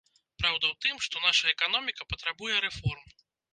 Праўда ў тым, што наша эканоміка патрабуе рэформ.